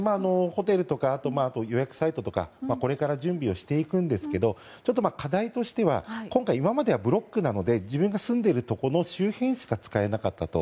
ホテルとか予約サイトとかこれから準備していくんですが課題としては今回、今まではブロックなので自分の住んでいるところの周辺しか使えなかったと。